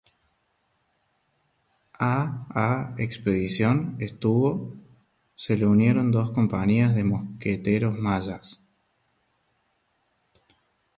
A a expedición estuvo se le unieron dos compañías de mosqueteros mayas.